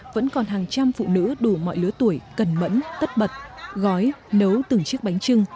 vẫn còn hàng trăm phụ nữ đủ mọi lứa tuổi cần mẫn tất bật gói nấu từng chiếc bánh trưng